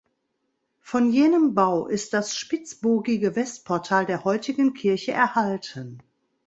Von jenem Bau ist das spitzbogige Westportal der heutigen Kirche erhalten.